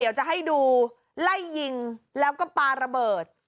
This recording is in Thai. เดี๋ยวจะให้ดูไล่ยิงแล้วก็ปลาระเบิด